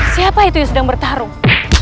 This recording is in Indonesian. siapa itu yang sedang bertarung